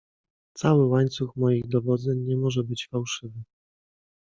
"Cały łańcuch moich dowodzeń nie może być fałszywy."